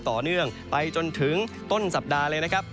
ต่อเนื่องไปจนถึงต้นสัปดาห์เลยนะครับ